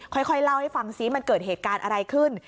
ค่อยเล่าให้ฟังซิมันเกิดเหตุการณ์อะไรขึ้น